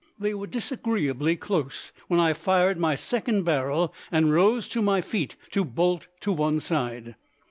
They were disagreeably close when I fired my second barrel and rose to my feet to bolt to one side.